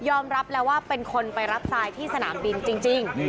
อมรับแล้วว่าเป็นคนไปรับทรายที่สนามบินจริง